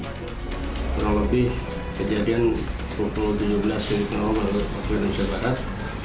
kurang lebih kejadian pukul tujuh belas waktu indonesia barat